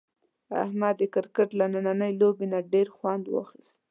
احمد د کرکټ له نننۍ لوبې نه ډېر خوند واخیست.